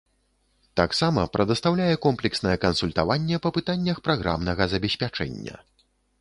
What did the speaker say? Таксама прадастаўляе комплекснае кансультаванне па пытаннях праграмнага забеспячэння.